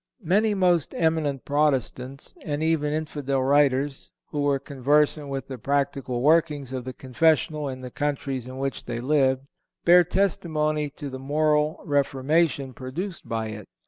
Many most eminent Protestant, and even infidel writers, who were conversant with the practical workings of the confessional in the countries in which they lived, bear testimony to the moral reformation produced by it.